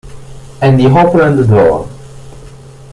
And he opened the door.